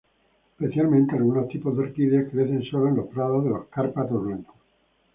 Especialmente algunos tipos de orquídeas crecen sólo en los prados de los Cárpatos Blancos.